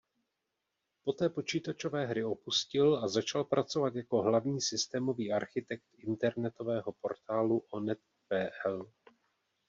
Poté počítačové hry opustil a začal pracovat jako hlavní systémový architekt internetového portálu onet.pl.